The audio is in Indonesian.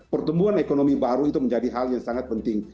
pertumbuhan ekonomi baru itu menjadi hal yang sangat penting